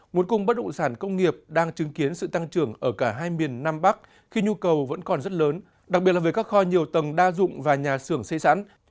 nguồn cung bất động sản công nghiệp đang chứng kiến sự tăng trưởng ở cả hai miền nam bắc khi nhu cầu vẫn còn rất lớn đặc biệt là về các kho nhiều tầng đa dụng và nhà xưởng xây sẵn